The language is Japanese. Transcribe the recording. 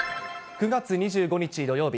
９月２５日土曜日。